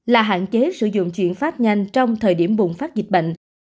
là hạn chế sử dụng chuyển phát nhanh trong thời điểm bùng phát dịch bệnh